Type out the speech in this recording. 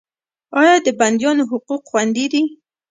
آیا د بندیانو حقوق خوندي دي؟